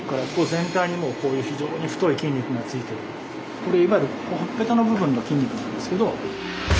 これいわゆるほっぺたの部分の筋肉なんですけど。